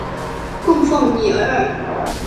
供奉弥额尔。